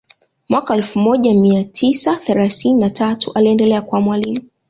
Mwaka wa elfu moja mia tisa thelathinni na tatu aliendelea kuwa mwalimu